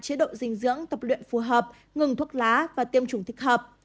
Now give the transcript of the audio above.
chế độ dinh dưỡng tập luyện phù hợp ngừng thuốc lá và tiêm chủng thích hợp